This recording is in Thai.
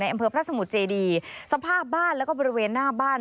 อำเภอพระสมุทรเจดีสภาพบ้านแล้วก็บริเวณหน้าบ้าน